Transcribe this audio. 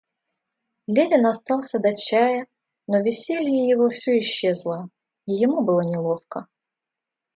Левин остался до чая, но веселье его всё исчезло, и ему было неловко.